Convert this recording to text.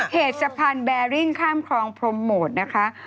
เหตุสะพานแบริ่งข้ามคลองพรมโหมดนะคะ